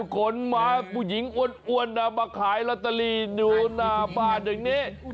ขนมาผู้หญิงอ้วนมาขายรัตตาลีหนูหน้าบ้านอย่างนี้